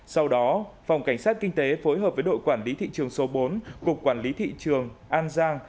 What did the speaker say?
sau đó phòng cảnh sát kinh tế phối hợp với đội quản lý thị trường số bốn cục quản lý thị trường an giang